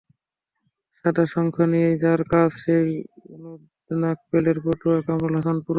সাদা শঙ্খ নিয়েই যাঁর কাজ, সেই অনুপ নাগ পেলেন পটুয়া কামরুল হাসান পুরস্কার।